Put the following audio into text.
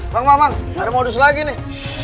bang maman ada modus lagi nih